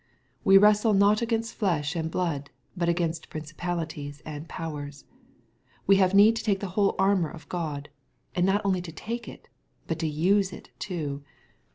We wrestle not against flesh and blood, but against principalities and powers. We have need to take the whole armor of God, and not only to take it, but to use it too.